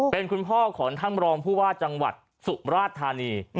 เป็นคุณพ่อของท่านรองผู้ว่าจังหวัดสุมราชธานี